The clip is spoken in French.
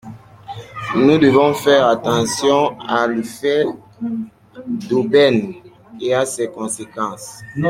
Nous devons faire attention à l’effet d’aubaine et à ses conséquences.